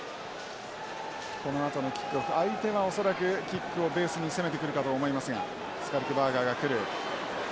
このあとのキックオフ相手は恐らくキックをベースに攻めてくるかと思いますがスカルクバーガーがくる。